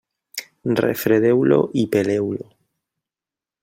Refredeu-lo i peleu-lo.